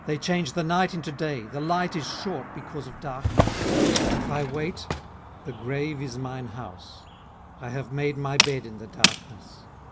18:017:012 They change the night into day: the light is short because of darkness. 18:017:013 If I wait, the grave is mine house: I have made my bed in the darkness.